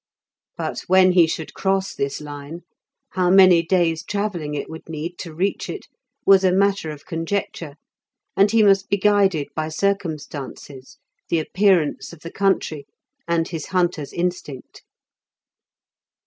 But when he should cross this line, how many days' travelling it would need to reach it, was a matter of conjecture, and he must be guided by circumstances, the appearance of the country, and his hunter's instinct.